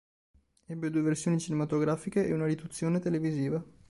Ebbe due versioni cinematografiche e una riduzione televisiva.